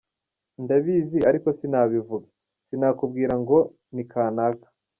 Ndabizi ariko sinabivuga, sinakubwira ngo ni kanaka.